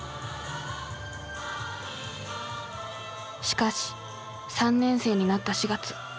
しかし３年生になった４月。